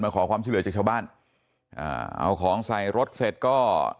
ขอความช่วยเหลือจากชาวบ้านอ่าเอาของใส่รถเสร็จก็